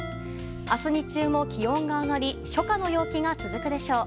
明日、日中も気温が上がり初夏の陽気が続くでしょう。